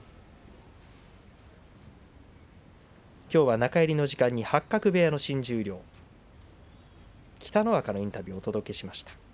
きょうは中入りの時間に八角部屋の新十両北の若のインタビューをお届けしました。